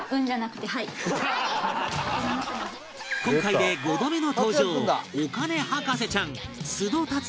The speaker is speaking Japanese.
今回で５度目の登場